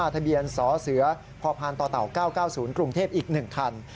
ทะเบียนสอเสือพ่อพาลต่อเต่า๙๙๐กรุงเทพฯอีก๑คัน